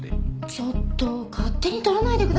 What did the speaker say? ちょっと勝手に撮らないでくださいよ。